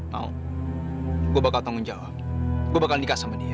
tau gue bakal tanggung jawab gue bakal nikah sama dia